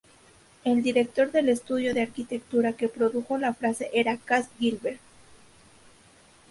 El director del estudio de arquitectura que produjo la frase era Cass Gilbert.